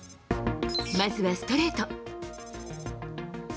まずはストレート。